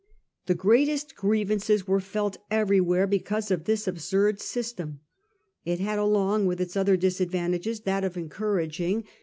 The greatest grievances were felt everywhere because of this absurd system. It had along with its other disadvantages that of encouraging what 1839.